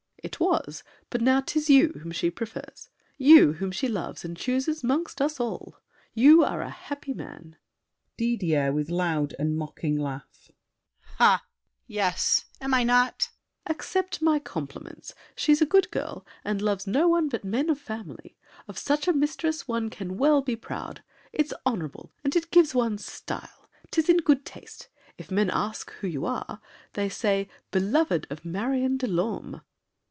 It was! But now 'tis you whom she prefers, You whom she loves and chooses 'mongst us all. You are a happy man. DIDIER (with loud and mocking laugh). Yes! Am I not? SAVERNY. Accept my compliments; she's a good girl, And loves no one but men of family. Of such a mistress one can well be proud! It's honorable, and it gives one style. 'Tis in good taste. If men ask who you are They say, "Beloved of Marion de Lorme."